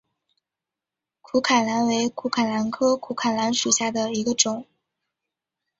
苦槛蓝为苦槛蓝科苦槛蓝属下的一个种。